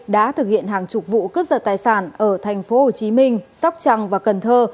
đã thực hiện hàng chục vụ cướp giật tài sản ở thành phố hồ chí minh sóc trăng và cần thơ